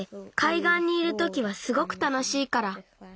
がんにいるときはすごくたのしいから。